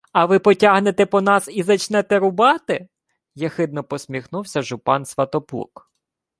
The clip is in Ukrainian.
— А ви потягнете по нас і зачнете рубати? — єхидно посміхнувся жупан Сватоплук.